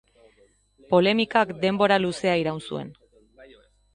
Polemikak denbora luzea iraun zuen.